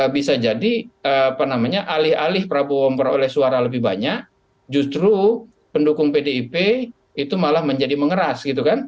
bisa jadi alih alih prabowo memperoleh suara lebih banyak justru pendukung pdip itu malah menjadi mengeras